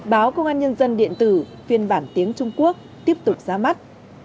báo công an nhân dân điện tử phiên bản tiếng trung quốc tiếp tục ra mắt